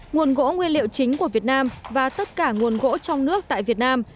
nguồn gỗ nguyên liệu chính của việt nam và tất cả nguồn gỗ trong nước tại việt nam